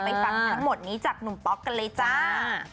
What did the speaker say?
ฟังทั้งหมดนี้จากหนุ่มป๊อกกันเลยจ้า